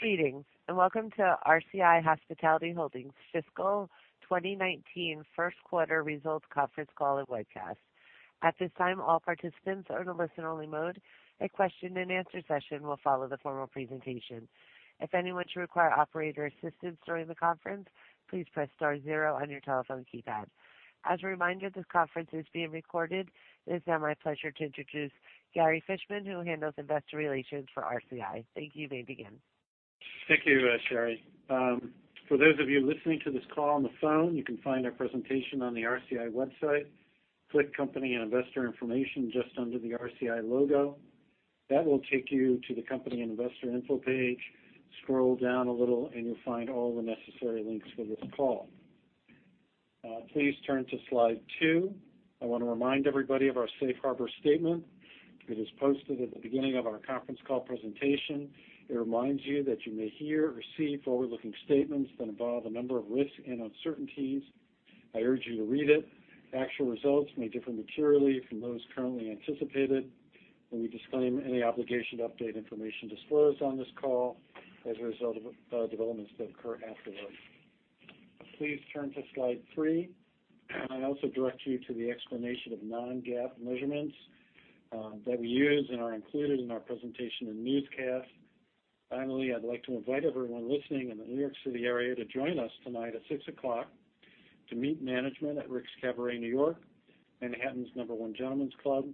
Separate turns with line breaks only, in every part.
Greetings, and welcome to RCI Hospitality Holdings Fiscal 2019 First Quarter Results Conference Call and Webcast. At this time, all participants are in a listen-only mode. A question-and-answer session will follow the formal presentation. If anyone should require operator assistance during the conference, please press star zero on your telephone keypad. As a reminder, this conference is being recorded. It is now my pleasure to introduce Gary Fishman, who handles investor relations for RCI. Thank you. You may begin.
Thank you, Sherry. For those of you listening to this call on the phone, you can find our presentation on the RCI website. Click Company and Investor Information just under the RCI logo. That will take you to the Company and Investor Info page. Scroll down a little and you'll find all the necessary links for this call. Please turn to Slide two. I want to remind everybody of our safe harbor statement. It is posted at the beginning of our conference call presentation. It reminds you that you may hear or see forward-looking statements that involve a number of risks and uncertainties. I urge you to read it. Actual results may differ materially from those currently anticipated, and we disclaim any obligation to update information disclosed on this call as a result of developments that occur afterward. Please turn to Slide three. I also direct you to the explanation of non-GAAP measurements that we use and are included in our presentation and newscast. Finally, I'd like to invite everyone listening in the New York City area to join us tonight at 6:00 to meet management at Rick's Cabaret New York, Manhattan's number one gentlemen's club.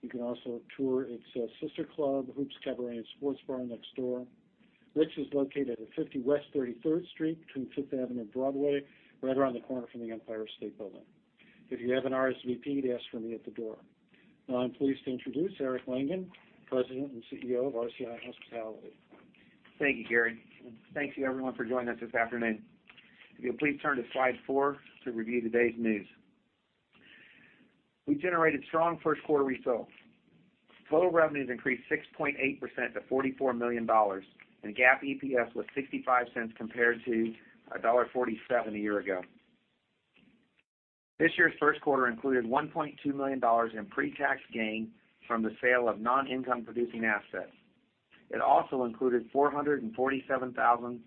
You can also tour its sister club, Hoops Cabaret and Sports Bar, next door, which is located at 50 West 33rd Street between Fifth Avenue and Broadway, right around the corner from the Empire State Building. If you have an RSVP, they ask for me at the door. Now I'm pleased to introduce Eric Langan, President and CEO of RCI Hospitality.
Thank you, Gary, and thank you, everyone, for joining us this afternoon. If you'll please turn to Slide four to review today's news. We generated strong first quarter results. Total revenues increased 6.8% to $44 million, and GAAP EPS was $0.65 compared to $1.47 a year ago. This year's first quarter included $1.2 million in pre-tax gain from the sale of non-income producing assets. It also included $447,000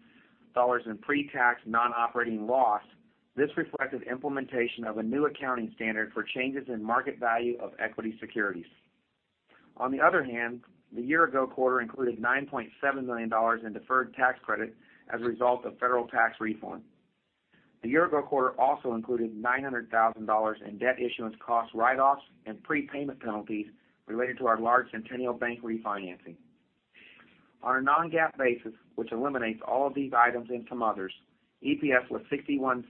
in pre-tax non-operating loss. This reflected implementation of a new accounting standard for changes in market value of equity securities. On the other hand, the year-ago quarter included $9.7 million in deferred tax credit as a result of federal tax reform. The year-ago quarter also included $900,000 in debt issuance cost write-offs and prepayment penalties related to our large Centennial Bank refinancing. On a non-GAAP basis, which eliminates all of these items and some others, EPS was $0.61,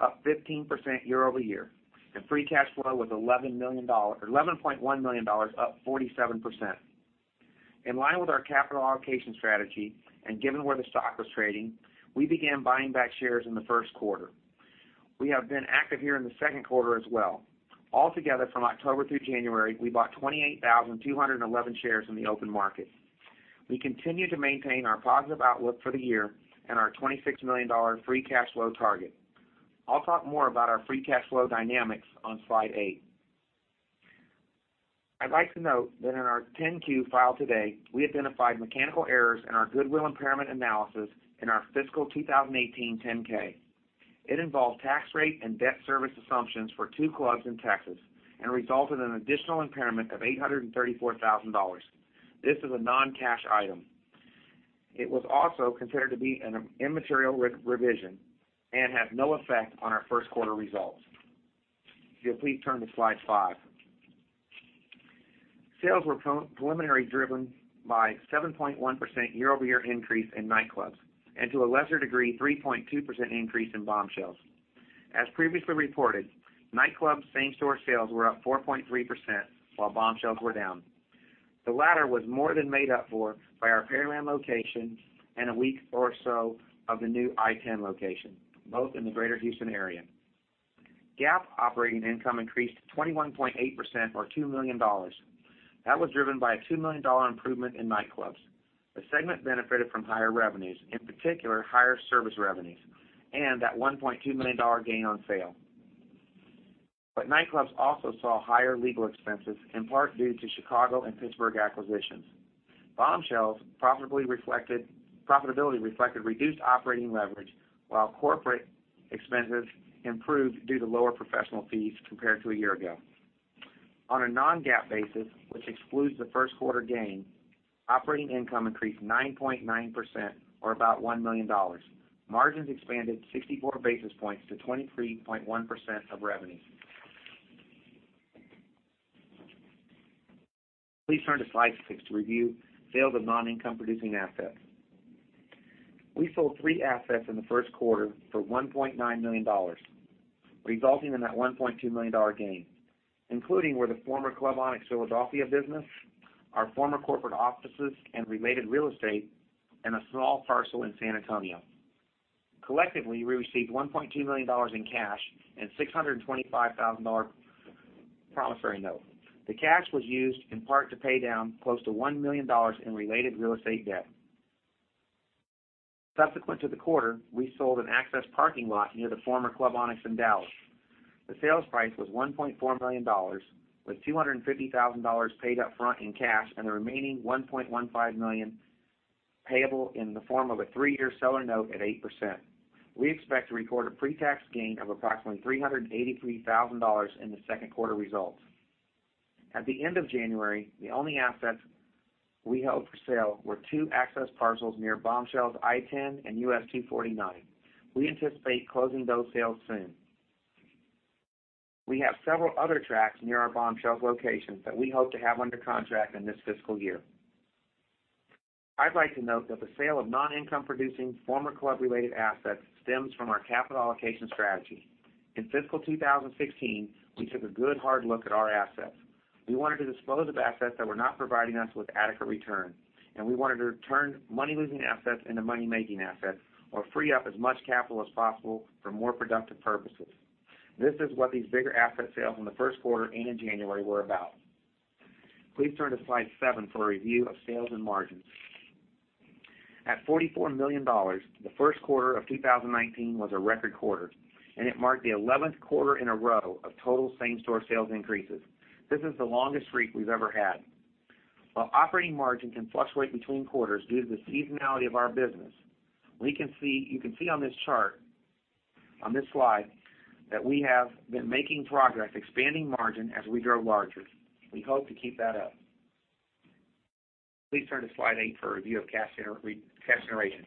up 15% year-over-year, and free cash flow was $11.1 million, up 47%. In line with our capital allocation strategy, given where the stock was trading, we began buying back shares in the first quarter. We have been active here in the second quarter as well. Altogether, from October through January, we bought 28,211 shares in the open market. We continue to maintain our positive outlook for the year and our $26 million free cash flow target. I'll talk more about our free cash flow dynamics on Slide eight. I'd like to note that in our 10-Q filed today, we identified mechanical errors in our goodwill impairment analysis in our fiscal 2018 10-K. It involved tax rate and debt service assumptions for two clubs in Texas and resulted in an additional impairment of $834,000. This is a non-cash item. It was also considered to be an immaterial revision and had no effect on our first quarter results. If you'll please turn to Slide five. Sales were preliminary driven by 7.1% year-over-year increase in nightclubs, and to a lesser degree, 3.2% increase in Bombshells. As previously reported, nightclubs' same-store sales were up 4.3%, while Bombshells were down. The latter was more than made up for by our Pearland location and a week or so of the new I-10 location, both in the greater Houston area. GAAP operating income increased 21.8%, or $2 million. That was driven by a $2 million improvement in nightclubs. The segment benefited from higher revenues, in particular, higher service revenues, and that $1.2 million gain on sale. Nightclubs also saw higher legal expenses, in part due to Chicago and Pittsburgh acquisitions. Bombshells' profitability reflected reduced operating leverage, while corporate expenses improved due to lower professional fees compared to a year ago. On a non-GAAP basis, which excludes the first quarter gain, operating income increased 9.9%, or about $1 million. Margins expanded 64 basis points to 23.1% of revenue. Please turn to Slide six to review sale of non-income producing assets. We sold three assets in the first quarter for $1.9 million, resulting in that $1.2 million gain. Included were the former Club Onyx Philadelphia business, our former corporate offices and related real estate, and a small parcel in San Antonio. Collectively, we received $1.2 million in cash and $625,000 promissory note. The cash was used in part to pay down close to $1 million in related real estate debt. Subsequent to the quarter, we sold an access parking lot near the former Club Onyx in Dallas. The sales price was $1.4 million, with $250,000 paid up front in cash and the remaining $1.15 million payable in the form of a three-year seller note at 8%. We expect to record a pre-tax gain of approximately $383,000 in the second quarter results. At the end of January, the only assets we held for sale were two access parcels near Bombshells' I-10 and U.S. 249. We anticipate closing those sales soon. We have several other tracts near our Bombshells locations that we hope to have under contract in this fiscal year. I'd like to note that the sale of non-income producing former club-related assets stems from our capital allocation strategy. In fiscal 2016, we took a good hard look at our assets. We wanted to dispose of assets that were not providing us with adequate return, and we wanted to turn money-losing assets into money-making assets, or free up as much capital as possible for more productive purposes. This is what these bigger asset sales in the first quarter and in January were about. Please turn to slide seven for a review of sales and margins. At $44 million, the first quarter of 2019 was a record quarter, and it marked the 11th quarter in a row of total same-store sales increases. This is the longest streak we've ever had. While operating margin can fluctuate between quarters due to the seasonality of our business, you can see on this chart, on this slide, that we have been making progress expanding margin as we grow larger. We hope to keep that up. Please turn to slide eight for a review of cash generation.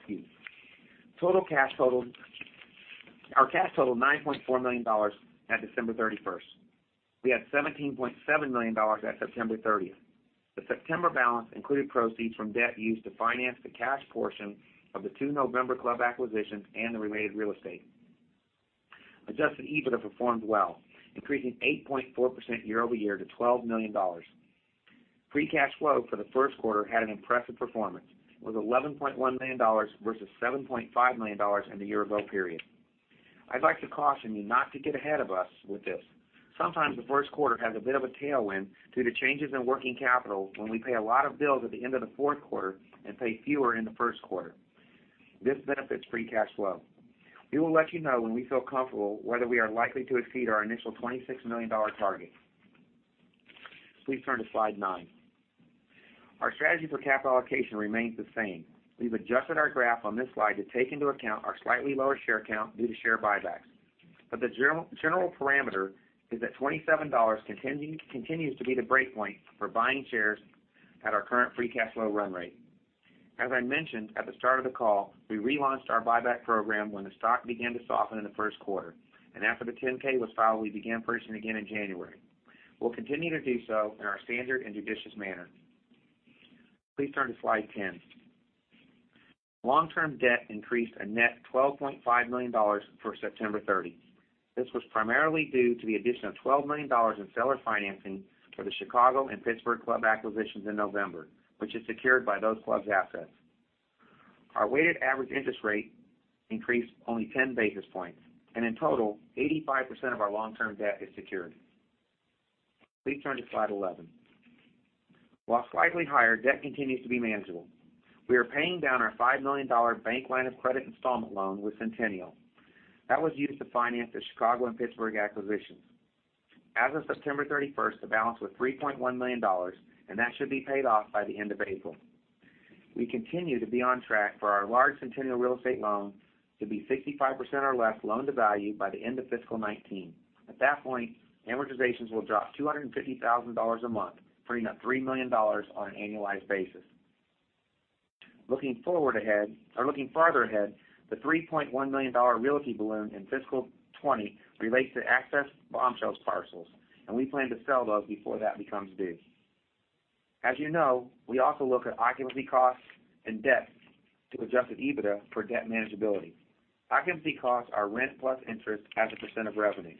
Excuse me. Our cash totaled $9.4 million at December 31st. We had $17.7 million at September 30th. The September balance included proceeds from debt used to finance the cash portion of the two November club acquisitions and the related real estate. Adjusted EBITDA performed well, increasing 8.4% year-over-year to $12 million. Free cash flow for the first quarter had an impressive performance, with $11.1 million versus $7.5 million in the year-ago period. I'd like to caution you not to get ahead of us with this. Sometimes the first quarter has a bit of a tailwind due to changes in working capital when we pay a lot of bills at the end of the fourth quarter and pay fewer in the first quarter. This benefits free cash flow. We will let you know when we feel comfortable whether we are likely to exceed our initial $26 million target. Please turn to slide nine. Our strategy for capital allocation remains the same. We've adjusted our graph on this slide to take into account our slightly lower share count due to share buybacks. The general parameter is that $27 continues to be the break point for buying shares at our current free cash flow run rate. As I mentioned at the start of the call, we relaunched our buyback program when the stock began to soften in the first quarter, and after the 10-K was filed, we began purchasing again in January. We'll continue to do so in our standard and judicious manner. Please turn to slide 10. Long-term debt increased a net $12.5 million for September 30. This was primarily due to the addition of $12 million in seller financing for the Chicago and Pittsburgh club acquisitions in November, which is secured by those clubs' assets. Our weighted average interest rate increased only 10 basis points, and in total, 85% of our long-term debt is secured. Please turn to slide 11. While slightly higher, debt continues to be manageable. We are paying down our $5 million bank line of credit installment loan with Centennial. That was used to finance the Chicago and Pittsburgh acquisitions. As of September 30th, the balance was $3.1 million, and that should be paid off by the end of April. We continue to be on track for our large Centennial real estate loan to be 65% or less loan-to-value by the end of fiscal 2019. At that point, amortizations will drop $250,000 a month, freeing up $3 million on an annualized basis. Looking farther ahead, the $3.1 million realty balloon in fiscal 2020 relates to excess Bombshells parcels, and we plan to sell those before that becomes due. As you know, we also look at occupancy costs and debt to adjusted EBITDA for debt manageability. Occupancy costs are rent plus interest as a % of revenues.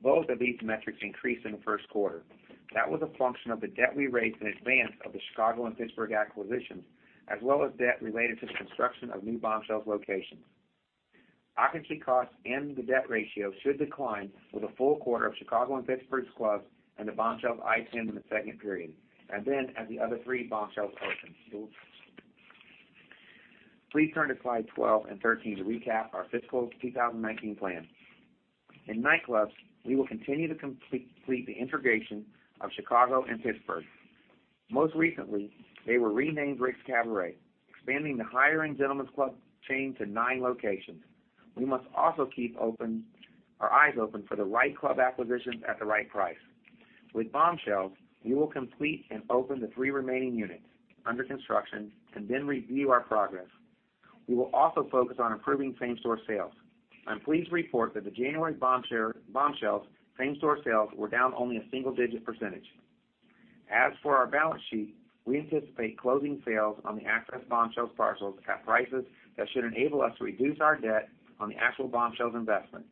Both of these metrics increased in the first quarter. That was a function of the debt we raised in advance of the Chicago and Pittsburgh acquisitions, as well as debt related to the construction of new Bombshells locations. Occupancy costs and the debt ratio should decline with a full quarter of Chicago and Pittsburgh's clubs and the Bombshells I-10 in the second period, and then at the other three Bombshells openings. Please turn to slides 12 and 13 to recap our fiscal 2019 plans. In nightclubs, we will continue to complete the integration of Chicago and Pittsburgh. Most recently, they were renamed Rick's Cabaret, expanding the higher-end gentleman's club chain to nine locations. We must also keep our eyes open for the right club acquisitions at the right price. With Bombshells, we will complete and open the three remaining units under construction and then review our progress. We will also focus on improving same-store sales. I'm pleased to report that the January Bombshells same-store sales were down only a single-digit %. As for our balance sheet, we anticipate closing sales on the excess Bombshells parcels at prices that should enable us to reduce our debt on the actual Bombshells investment,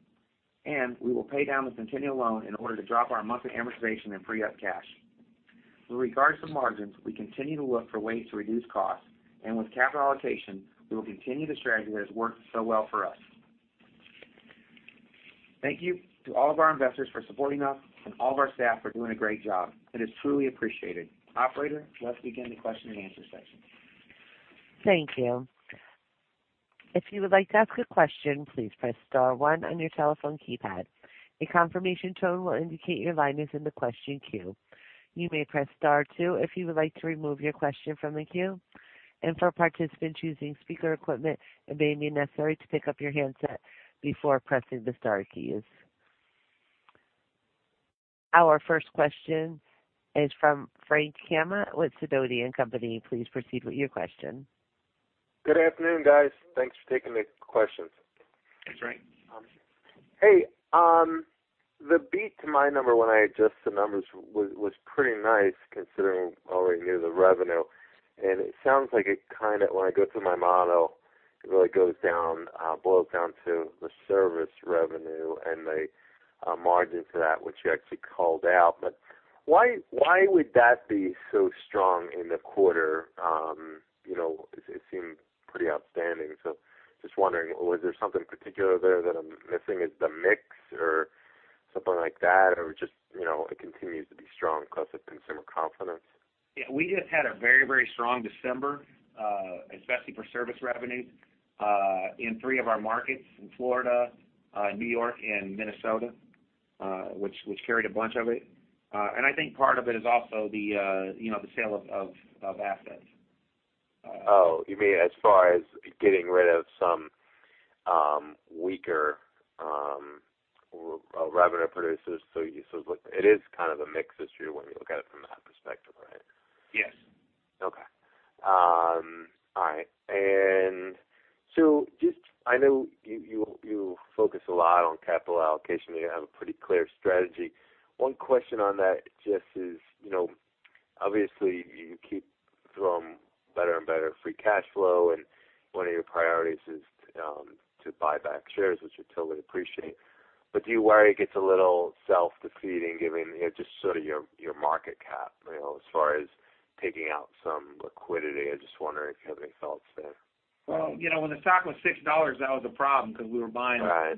and we will pay down the Centennial loan in order to drop our monthly amortization and free up cash. With regards to margins, we continue to look for ways to reduce costs, and with capital allocation, we will continue the strategy that has worked so well for us. Thank you to all of our investors for supporting us and all of our staff for doing a great job. It is truly appreciated. Operator, let's begin the question and answer session.
Thank you. If you would like to ask a question, please press star one on your telephone keypad. A confirmation tone will indicate your line is in the question queue. You may press star two if you would like to remove your question from the queue. For participants using speaker equipment, it may be necessary to pick up your handset before pressing the star keys. Our first question is from Anthony Lebiedzinski with Sidoti & Company. Please proceed with your question.
Good afternoon, guys. Thanks for taking the questions.
Hey, Anthony.
Hey. The beat to my number when I adjust the numbers was pretty nice, considering all we knew the revenue. It sounds like it kind of, when I go through my model, it really goes down, boils down to the service revenue and the margin to that, which you actually called out. Why would that be so strong in the quarter? It seemed pretty outstanding. Just wondering, was there something particular there that I'm missing? Is it the mix or something like that? It just continues to be strong because there's been some confidence?
Yeah. We just had a very strong December, especially for service revenue, in three of our markets, in Florida, New York, and Minnesota, which carried a bunch of it. I think part of it is also the sale of assets.
Oh, you mean as far as getting rid of some weaker revenue producers, so it is kind of a mix issue when you look at it from that perspective, right?
Yes.
Okay. All right. Just I know you focus a lot on capital allocation, and you have a pretty clear strategy. One question on that just is, obviously, you keep throwing better and better free cash flow, and one of your priorities is to buy back shares, which we totally appreciate. Do you worry it gets a little self-defeating given just sort of your market cap, as far as taking out some liquidity? I'm just wondering if you have any thoughts there.
Well, when the stock was $6, that was a problem because we were buying
Right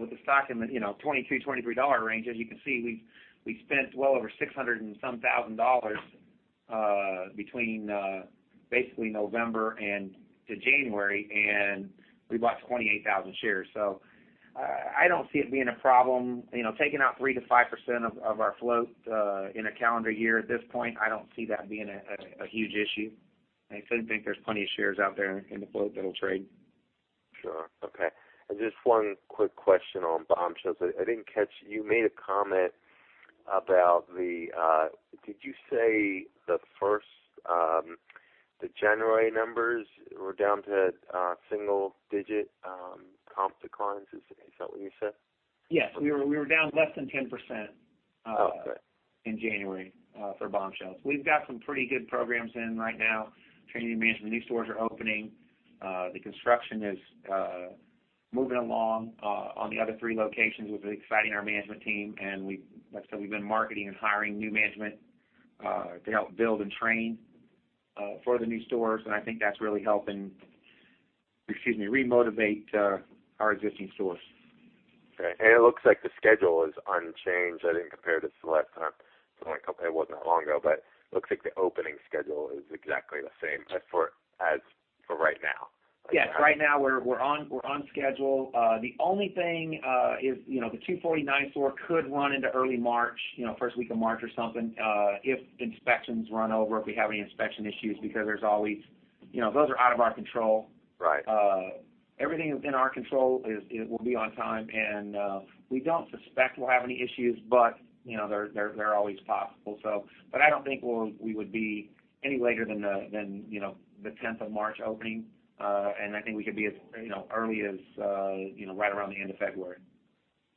With the stock in the $22, $23 range, as you can see, we spent well over 600 and some thousand dollars between basically November to January, and we bought 28,000 shares. I don't see it being a problem, taking out 3%-5% of our float in a calendar year at this point, I don't see that being a huge issue. I think there's plenty of shares out there in the float that'll trade.
Sure. Okay. Just one quick question on Bombshells. I didn't catch, you made a comment about the Did you say the January numbers were down to single-digit comp declines? Is that what you said?
Yes. We were down less than 10%.
Oh, okay.
That was in January for Bombshells. We've got some pretty good programs in right now. Training and management, new stores are opening. The construction is moving along on the other three locations, which is exciting our management team, and like I said, we've been marketing and hiring new management to help build and train for the new stores, and I think that's really helping, excuse me, remotivate our existing stores.
Okay. It looks like the schedule is unchanged. I didn't compare this to last time. It wasn't that long ago, but looks like the opening schedule is exactly the same as for right now.
Yes. Right now, we're on schedule. The only thing is the 249 store could run into early March, first week of March or something, if inspections run over, if we have any inspection issues, because those are out of our control.
Right.
Everything that's in our control will be on time, and we don't suspect we'll have any issues, but they're always possible. I don't think we would be any later than the 10th of March opening. I think we could be as early as right around the end of February.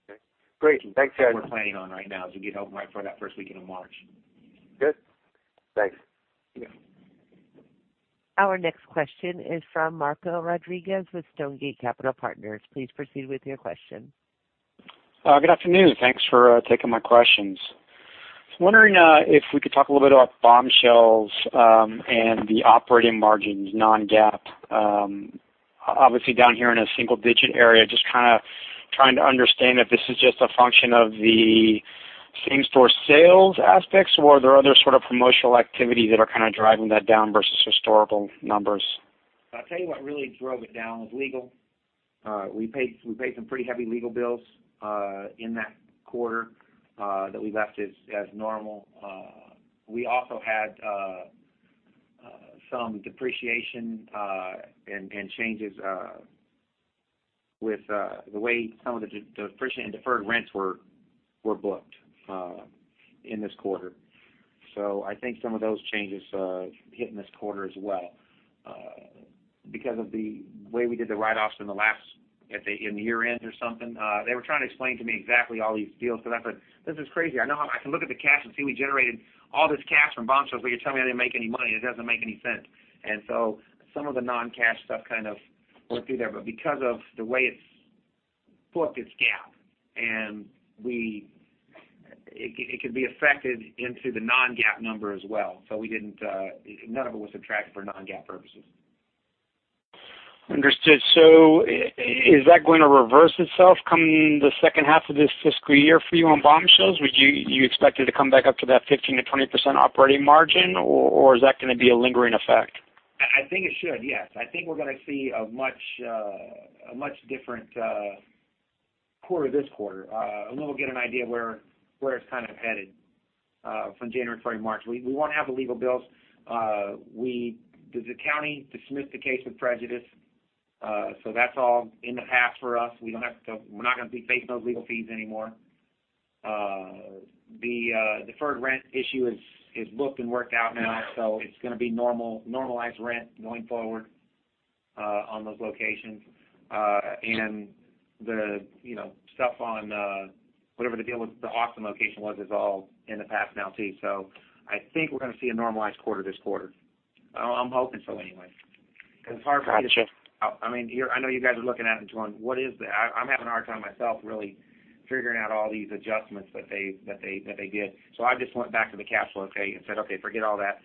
Okay, great. Thanks, Eric.
That's what we're planning on right now, is we get open right before that first weekend in March.
Good. Thanks.
Yeah.
Our next question is from Marco Rodriguez with Stonegate Capital Partners. Please proceed with your question.
Good afternoon. Thanks for taking my questions. I was wondering if we could talk a little bit about Bombshells, and the operating margins non-GAAP. Obviously, down here in a single digit area, just trying to understand if this is just a function of the same-store sales aspects, or are there other sort of promotional activity that are kind of driving that down versus historical numbers?
I'll tell you what really drove it down was legal. We paid some pretty heavy legal bills in that quarter that we left as normal. We also had some depreciation and changes with the way some of the depreciation and deferred rents were booked in this quarter. I think some of those changes hit in this quarter as well because of the way we did the write-offs in the year end or something. They were trying to explain to me exactly all these deals. I said, "This is crazy. I know I can look at the cash and see we generated all this cash from Bombshells, but you're telling me I didn't make any money. It doesn't make any sense." Some of the non-cash stuff kind of went through there. Because of the way it's booked, it's GAAP, and it can be affected into the non-GAAP number as well. None of it was subtracted for non-GAAP purposes.
Understood. Is that going to reverse itself come the second half of this fiscal year for you on Bombshells? Would you expect it to come back up to that 15%-20% operating margin, or is that going to be a lingering effect?
I think it should, yes. I think we're going to see a much different quarter this quarter. We'll get an idea where it's kind of headed from January, February, March. We won't have the legal bills. The county dismissed the case with prejudice. That's all in the past for us. We're not going to be facing those legal fees anymore. The deferred rent issue is booked and worked out now. It's going to be normalized rent going forward on those locations. The stuff on whatever the deal with the Austin location was is all in the past now, too. I think we're going to see a normalized quarter this quarter. I'm hoping so, anyway.
Got you.
It's hard for me to I know you guys are looking at it going, "What is that?" I'm having a hard time myself really figuring out all these adjustments that they did. I just went back to the cash flow and said, "Okay, forget all that.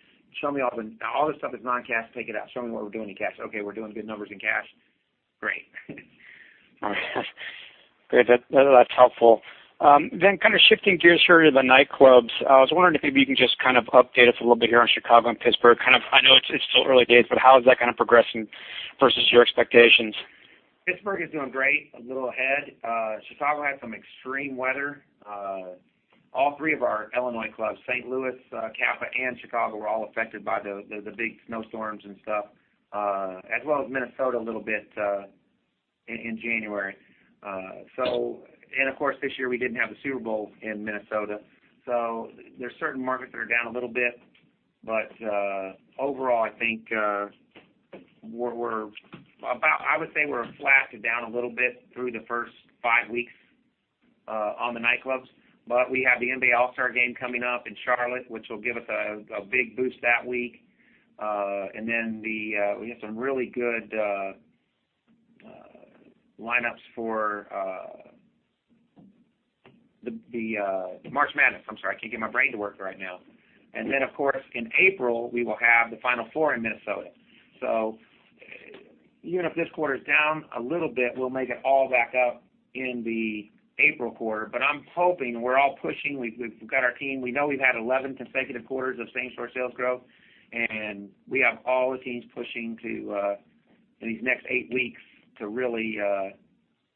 All this stuff is non-cash, take it out. Show me what we're doing in cash. Okay, we're doing good numbers in cash. Great.
Great. That's helpful. Kind of shifting gears here to the nightclubs, I was wondering if maybe you can just kind of update us a little bit here on Chicago and Pittsburgh. I know it's still early days, but how is that kind of progressing versus your expectations?
Pittsburgh is doing great, a little ahead. Chicago had some extreme weather. All three of our Illinois clubs, St. Louis, Kappa, and Chicago, were all affected by the big snowstorms and stuff, as well as Minnesota a little bit in January. Of course, this year we didn't have the Super Bowl in Minnesota. There's certain markets that are down a little bit. Overall, I think, I would say we're flat to down a little bit through the first five weeks on the nightclubs. We have the NBA All-Star game coming up in Charlotte, which will give us a big boost that week. Then we have some really good lineups for the March Madness. I'm sorry, I can't get my brain to work right now. Then, of course, in April, we will have the Final Four in Minnesota. Even if this quarter's down a little bit, we'll make it all back up in the April quarter. I'm hoping, we're all pushing. We've got our team. We know we've had 11 consecutive quarters of same-store sales growth, and we have all the teams pushing in these next eight weeks to really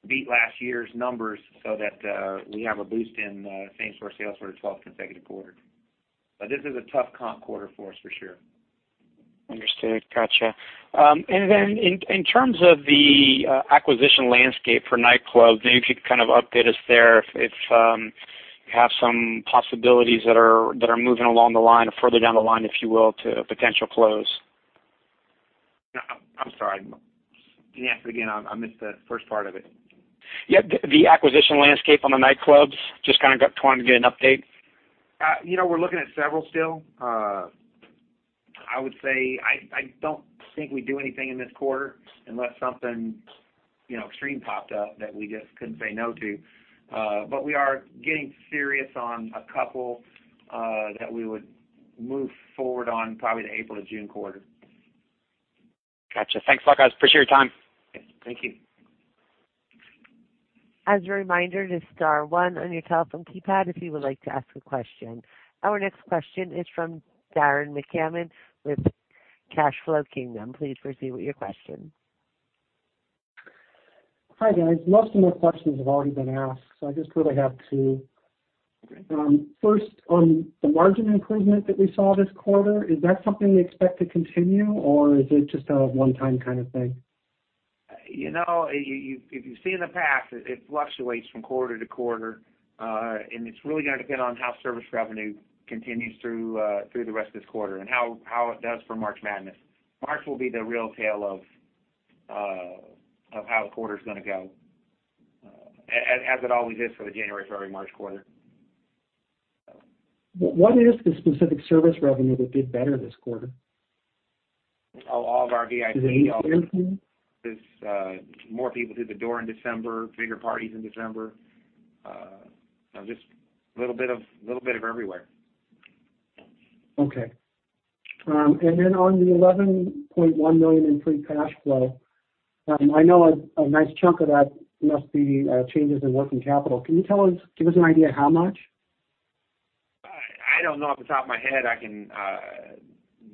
beat last year's numbers so that we have a boost in same-store sales for a 12th consecutive quarter. This is a tough comp quarter for us, for sure.
Understood. Got you. In terms of the acquisition landscape for nightclubs, maybe if you'd kind of update us there, if you have some possibilities that are moving along the line or further down the line, if you will, to a potential close.
I'm sorry. Can you ask it again? I missed the first part of it.
Yeah. The acquisition landscape on the nightclubs, just kind of trying to get an update.
We're looking at several still. I would say, I don't think we do anything in this quarter unless something extreme popped up that we just couldn't say no to. We are getting serious on a couple that we would move forward on probably the April to June quarter.
Got you. Thanks a lot, guys. Appreciate your time.
Thank you.
As a reminder, it is star one on your telephone keypad if you would like to ask a question. Our next question is from Darren McCammon with Cash Flow Kingdom. Please proceed with your question.
Hi, guys. Most of my questions have already been asked, so I just really have two.
Okay.
First, on the margin improvement that we saw this quarter, is that something we expect to continue, or is it just a one-time kind of thing?
If you see in the past, it fluctuates from quarter to quarter. It's really going to depend on how service revenue continues through the rest of this quarter and how it does for March Madness. March will be the real tale of how the quarter's going to go, as it always is for the January, February, March quarter.
What is the specific service revenue that did better this quarter?
all of our VIP.
Is it entertainment?
More people through the door in December, bigger parties in December. Just a little bit of everywhere.
Okay. on the $11.1 million in free cash flow, I know a nice chunk of that must be changes in working capital. Can you give us an idea how much?
I don't know off the top of my head. I can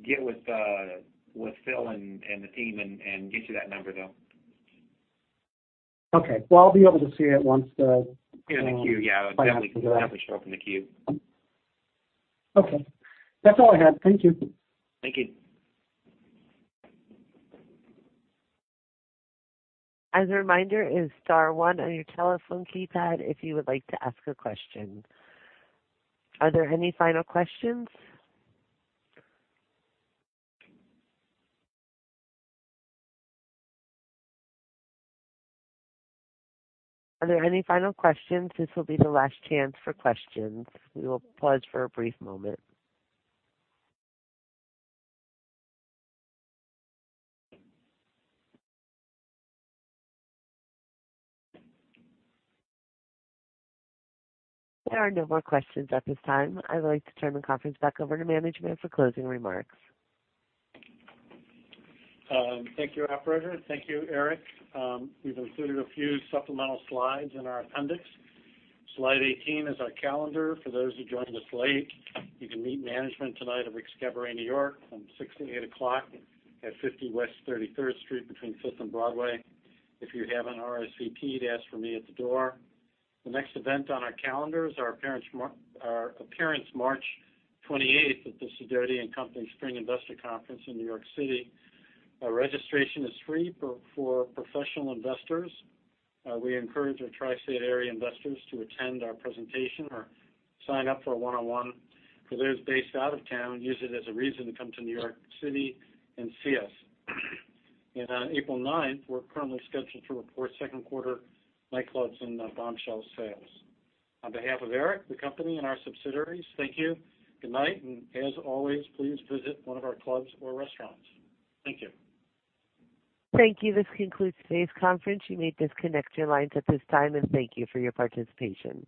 get with Phil and the team and get you that number, though.
Okay. Well, I'll be able to see it once the-
In the Q, yeah.
Financials are out.
It'll definitely show up in the Q.
Okay. That's all I had. Thank you.
Thank you.
As a reminder, it is star one on your telephone keypad if you would like to ask a question. Are there any final questions? Are there any final questions? This will be the last chance for questions. We will pause for a brief moment. There are no more questions at this time. I'd like to turn the conference back over to management for closing remarks.
Thank you, operator. Thank you, Eric. We've included a few supplemental slides in our appendix. Slide 18 is our calendar for those who joined us late. You can meet management tonight at Rick's Cabaret New York from 6:00 to 8:00 at 50 West 33rd Street between 5th and Broadway. If you haven't RSVP'd, ask for me at the door. The next event on our calendar is our appearance March 28th at the Sidoti & Company Spring Investor Conference in New York City. Registration is free for professional investors. We encourage our Tri-State area investors to attend our presentation or sign up for a one-on-one. For those based out of town, use it as a reason to come to New York City and see us. On April 9th, we're currently scheduled to report second quarter nightclubs and Bombshells sales. On behalf of Eric, the company, and our subsidiaries, thank you. Good night, as always, please visit one of our clubs or restaurants. Thank you.
Thank you. This concludes today's conference. You may disconnect your lines at this time, thank you for your participation.